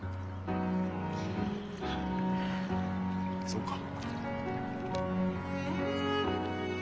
そうか。